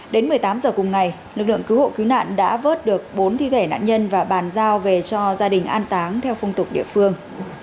đến một mươi tám h cùng ngày lực lượng cứu hộ cứu nạn đã vớt được bốn thi thể nạn nhân và bàn giao về cho gia đình an táng theo phong tục địa phương